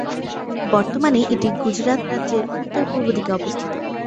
বর্তমানে এটি গুজরাট রাজ্যের উত্তর-পূর্ব দিকে অবস্থিত।